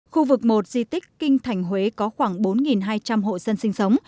khu vực một di tích kinh thành huế có khoảng bốn hai trăm linh hộ dân sinh sống